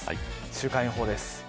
週間予報です。